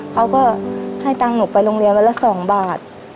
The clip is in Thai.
เขาก็ให้ตังค์หนูไปโรงเรียนวันละ๒บาท